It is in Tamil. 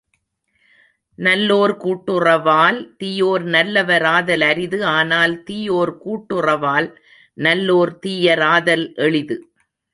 நல்லோர் கூட்டுறவால் தீயோர் நல்லவராதல் அரிது ஆனால் தீயோர் கூட்டுறவால் நல்லோர் தீயராதல் எளிது.